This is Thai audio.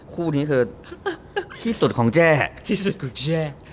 คู่นี้คือที่สุดของแจ๊แหละ